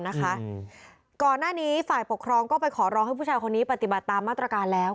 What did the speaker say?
ก่อนหน้านี้ฝ่ายปกครองก็ไปขอร้องให้ผู้ชายคนนี้ปฏิบัติตามมาตรการแล้ว